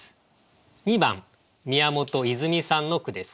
２番宮本いずみさんの句です。